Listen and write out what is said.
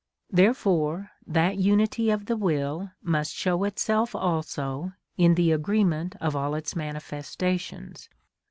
Therefore that unity of the will must show itself also in the agreement of all its manifestations.